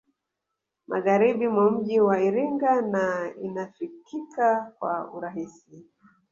Magharibi mwa mji wa Iringa na inafikika kwa urahisi